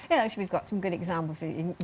ya sebenarnya kita memiliki beberapa contoh yang baik